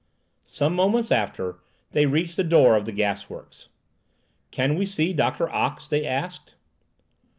Some moments after, they reached the door of the gasworks. "Can we see Doctor Ox?" they asked.